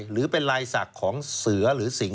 หรือเป็นลายศักดิ์ของเสือหรือสิ่ง